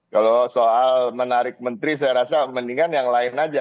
kalau soal menarik menteri saya rasa mendingan yang lain aja